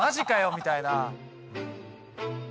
みたいな。